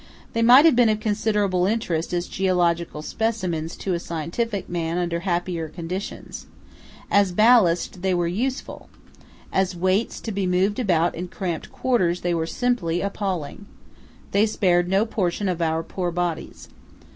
They might have been of considerable interest as geological specimens to a scientific man under happier conditions. As ballast they were useful. As weights to be moved about in cramped quarters they were simply appalling. They spared no portion of our poor bodies.